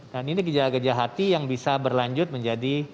dan ini gejala gejala hati yang bisa berlanjut menjadi